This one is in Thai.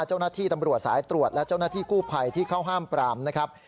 เจ้าหน้าที่ตำรวจสายตรวจและเจ้าหน้าที่กู้ภัยที่เข้าห้ามปรามนะครับ